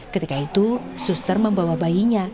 ketika itu suster membawa bayinya